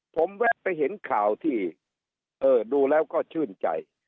ผมแวะไปเห็นข่าวที่ดูแล้วก็ชื่นใจ